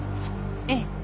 ええ。